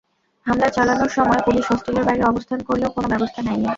হামলা চালানোর সময় পুলিশ হোস্টেলের বাইরে অবস্থান করলেও কোনো ব্যবস্থা নেয়নি।